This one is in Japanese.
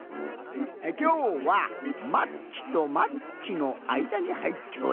きょうはマッチとマッチのあいだにはいっております。